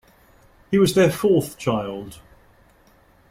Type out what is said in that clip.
He was their fourth child.